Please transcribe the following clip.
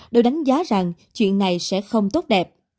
đều đánh giá rằng chuyện này sẽ không tốt đẹp